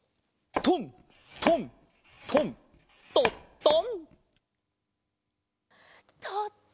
・トントントントトン。